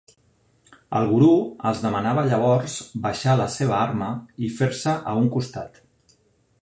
El guru els demanava llavors baixar la seva arma i fer-se a un costat.